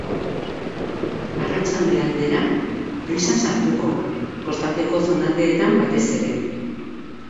Arratsalde aldera, brisa sartuko, kostaldeko zonaldeetan batez ere.